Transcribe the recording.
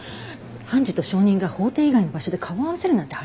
判事と証人が法廷以外の場所で顔を合わせるなんてあり得ない。